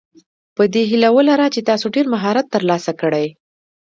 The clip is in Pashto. د دې هیله ولره چې تاسو ډېر مهارت ترلاسه کړئ.